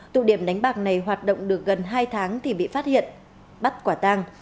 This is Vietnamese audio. tụ điểm đánh bạc này hoạt động được gần hai tháng thì bị phát hiện bắt quả tang